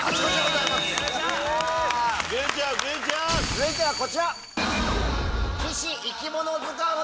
続いてはこちら！